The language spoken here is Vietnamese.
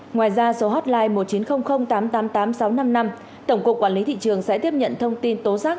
ngoài ra số hotline một nghìn chín trăm linh tám trăm tám mươi tám nghìn sáu trăm năm mươi năm tổng cục quản lý thị trường sẽ tiếp nhận thông tin tố giác